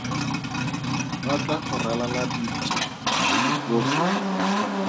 Ba tla go ralala ditso le dipuo tsotlhe.